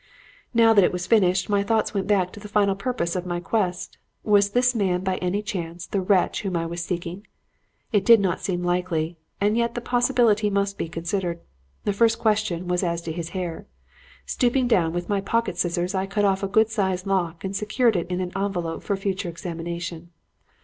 "Now that it was finished, my thoughts went back to the final purpose of my quest. Was this man, by any chance, the wretch whom I was seeking? It did not seem likely, and yet the possibility must be considered. The first question was as to his hair. Stooping down, with my pocket scissors I cut off a good sized lock and secured it in an envelope for future examination.